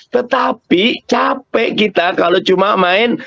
tetapi capek kita kalau cuma main